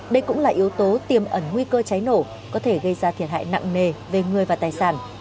đây cũng là yếu tố tiềm ẩn nguy cơ cháy nổ có thể gây ra thiệt hại nặng nề về người và tài sản